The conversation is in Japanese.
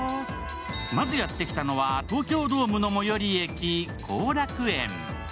まずやってきたのは東京ドームの最寄り駅・後楽園。